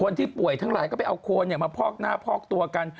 ที่ป่วยทั้งหลายก็ไปเอาโคนมาพอกหน้าพอกตัวกัน